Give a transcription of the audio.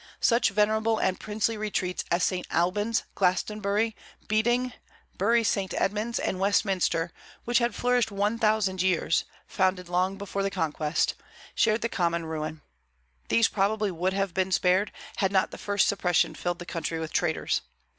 Such venerable and princely retreats as St. Albans, Glastonbury, Beading, Bury St. Edmunds, and Westminster, which had flourished one thousand years, founded long before the Conquest, shared the common ruin. These probably would have been spared, had not the first suppression filled the country with traitors.